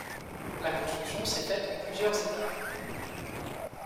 La construction s’est faite en plusieurs étapes.